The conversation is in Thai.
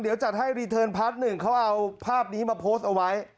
เดี๋ยวจัดให้รีเทิร์นพาร์ทหนึ่งเขาเอาภาพนี้มาโพสต์เอาไว้